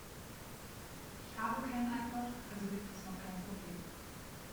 Ich habe keinen iPod, also gibt es noch kein Problem.